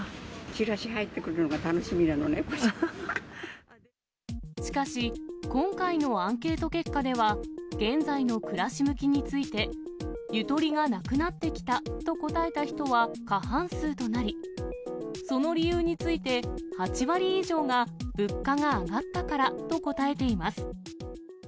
チラシ入ってくるのが楽しみなのしかし、今回のアンケート結果では、現在の暮らし向きについて、ゆとりがなくなってきたと答えた人は過半数となり、その理由について、８割以上が物価が上がったからと答えています。